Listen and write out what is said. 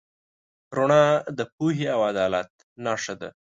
رڼا د پوهې او عدالت نښه ده.